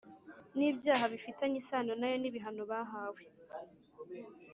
n’ibyaha bifitanye isano na yo n’ibihano bahawe.